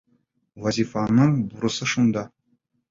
Вазифаның бурысы шунда!